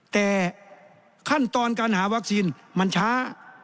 แต่ขั้นตอนการหาวัคซีนมันช้า